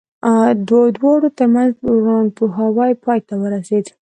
د دواړو ترمنځ ورانپوهاوی پای ته ورسېد.